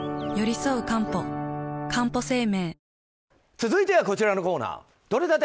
続いてはこちらのコーナーとれたて！